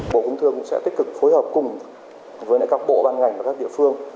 bộ công thương cũng sẽ tích cực phối hợp cùng với các bộ ban ngành và các địa phương